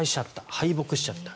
敗北しちゃった。